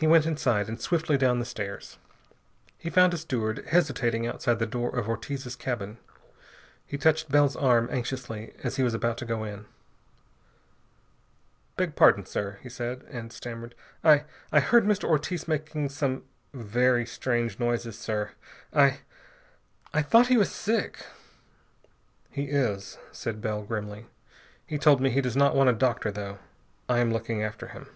He went inside and swiftly down the stairs. He found a steward hesitating outside the door of Ortiz's cabin. He touched Bell's arm anxiously as he was about to go in. "Beg pardon, sir," he said, and stammered. "I I heard Mr. Ortiz making some very strange noises, sir. I I thought he was sick...." "He is," said Bell grimly. "He told me he does not want a doctor, though. I'm looking after him."